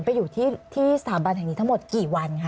ไปอยู่ที่สถาบันแห่งนี้ทั้งหมดกี่วันค่ะ